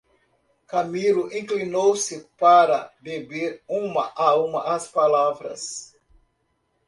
Camilo inclinou-se para beber uma a uma as palavras.